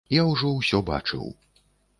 Я ўжо ўсё бачыў.